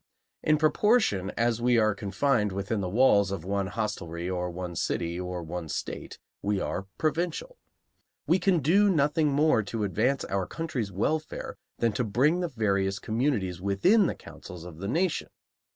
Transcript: In proportion as we are confined within the walls of one hostelry or one city or one state, we are provincial. We can do nothing more to advance our country's welfare than to bring the various communities within the counsels of the nation.